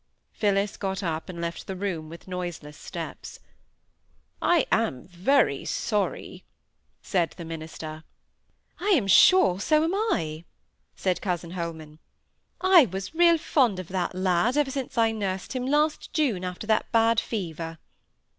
Phillis got up and left the room with noiseless steps. "I am very sorry," said the minister. "I am sure so am I!" said cousin Holman. "I was real fond of that lad ever since I nursed him last June after that bad fever."